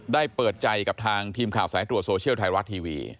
เปิดใจกับทางทีมข่าวสายตรวจโซเชียลไทยรัฐทีวี